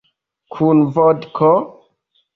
Kun vodko?